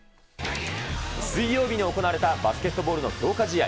水曜日に行われたバスケットボールの強化試合。